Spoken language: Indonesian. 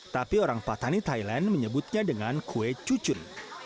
tapi orang patani thailand menyebutnya dengan kue cucun